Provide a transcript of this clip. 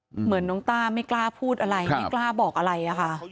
เหมือนน้องต้าไม่กล้าพูดอะไรไม่กล้าบอกอะไรอะค่ะ